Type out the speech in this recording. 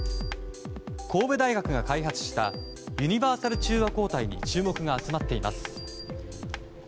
神戸大学が開発したユニバーサル中和抗体に注目が集まっています。